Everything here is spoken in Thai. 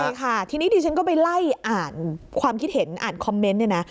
ใช่ค่ะทีนี้ดิฉันก็ไปไล่อ่านความคิดเห็นอ่านคอมเมนต์เนี่ยนะ